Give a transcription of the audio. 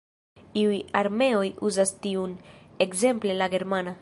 Iuj armeoj uzas tiun, ekzemple la Germana.